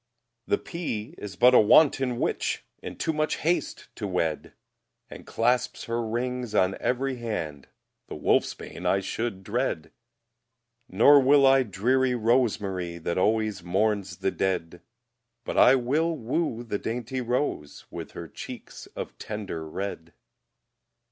The pea is but a wanton witch, In too much haste to wed, And clasps her rings on every hand; The wolfsbane I should dread; Nor will I dreary rosemarye, That always mourns the dead; But I will woo the dainty rose, With her cheeks of tender red.